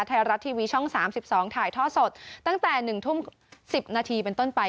ไทยรัฐทีวีช่อง๓๒ถ่ายท่อสดตั้งแต่๑ทุ่ม๑๐นาทีเป็นต้นไป